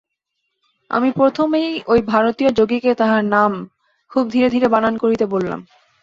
আমি প্রথমেই ঐ ভারতীয় যোগীকে তাঁহার নাম খুব ধীরে ধীরে বানান করিতে বলিলাম।